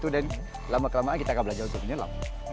dan lama kelamaan kita akan belajar untuk menyelam